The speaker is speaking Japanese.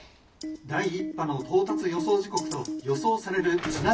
「第１波の到達予想時刻と予想される津波の高さです。